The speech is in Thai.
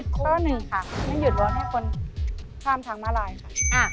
ข้อหนึ่งค่ะไม่หยุดร้อนให้คนข้ามทางมาลายค่ะ